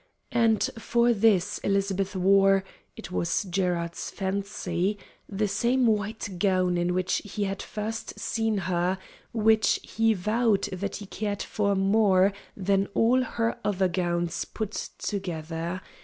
And for this Elizabeth wore it was Gerard's fancy the same white gown in which he had first seen her, which he vowed that he cared for more than all her other gowns put together.